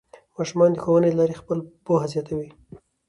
ماشومان د ښوونې له لارې خپله پوهه زیاتوي